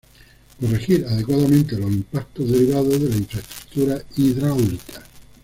Corregir adecuadamente los impactos derivados de las infraestructuras hidráulicas.